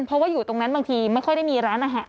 เพราะว่าอยู่ตรงนั้นบางทีไม่ค่อยได้มีร้านอาหาร